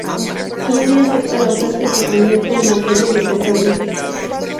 Freddy acepta la oferta y se convierte en "Materia de Pesadillas".